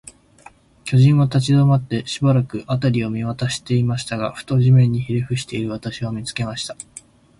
巨人は立ちどまって、しばらく、あたりを見まわしていましたが、ふと、地面にひれふしている私を、見つけました。